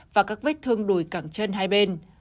và các vết thương đùi cẳng chân hai bên